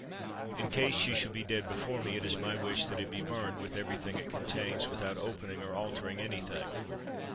In case she shall be dead before me, it is my wish that it be burned, with every thing it contains, without opening or altering any thing.